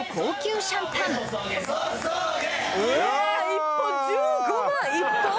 １本１５万１本？